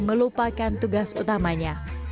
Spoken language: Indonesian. merupakan tugas utamanya